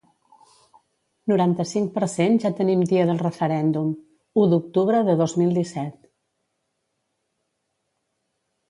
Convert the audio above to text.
Noranta-cinc per cent Ja tenim dia del referèndum: u d’octubre de dos mil disset.